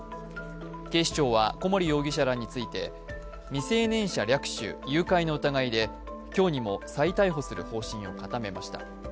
警視庁は小森容疑者らについて、未成年者略取・誘拐の疑いで今日にも再逮捕する方針を固めました。